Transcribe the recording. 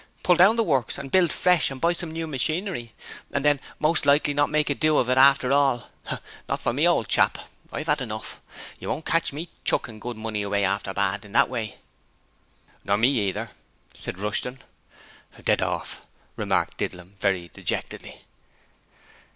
Pull down the works and build fresh, and buy some new machinery? And then most likely not make a do of it after all? Not for me, old chap! I've 'ad enough. You won't catch me chuckin' good money after bad in that way.' 'Nor me neither,' said Rushton. 'Dead orf!' remarked Didlum, very decidedly.